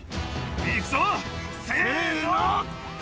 いくぞ、せーの！